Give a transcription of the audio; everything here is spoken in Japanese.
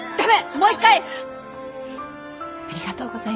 もう一回！ありがとうございます。